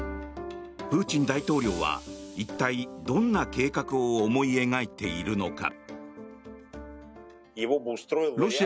プーチン大統領は一体、どんな計画を思い描いているのか。